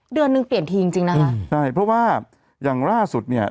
เดือนหนึ่งเปลี่ยนทีจริงจริงนะคะใช่เพราะว่าอย่างล่าสุดเนี่ย